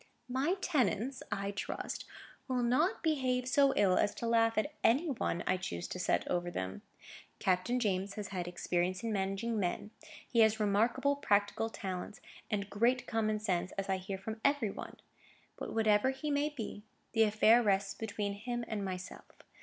"My tenants, I trust, will not behave so ill as to laugh at any one I choose to set over them. Captain James has had experience in managing men. He has remarkable practical talents, and great common sense, as I hear from every one. But, whatever he may be, the affair rests between him and myself.